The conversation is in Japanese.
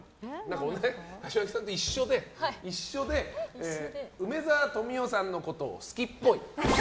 柏木さんと一緒で梅沢富美男さんのことを好きっぽい。